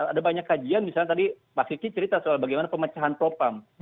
ada banyak kajian misalnya tadi mas siti cerita soal bagaimana pemecahan propam